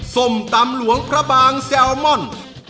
ส้มตำหลวงพระบางแซลมอน